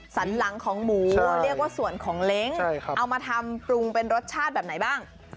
สันหลังของหมูเรียกว่าส่วนของเล้งเอามาทำปรุงเป็นรสชาติแบบไหนบ้าง